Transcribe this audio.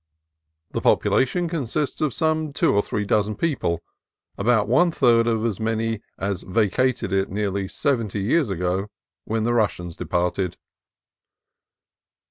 The population consists of some two or three dozen people, about one third as many as vacated it sev enty years ago when the Russians departed.